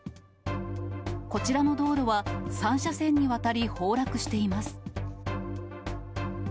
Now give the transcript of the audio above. こちらの道路は、３車線にわたり崩落しています。